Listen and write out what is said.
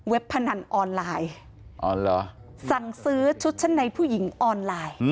พนันออนไลน์สั่งซื้อชุดชั้นในผู้หญิงออนไลน์